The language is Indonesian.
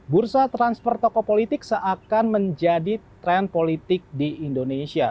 bursa transfer tokoh politik seakan menjadi tren politik di indonesia